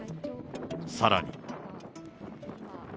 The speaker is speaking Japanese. さらに。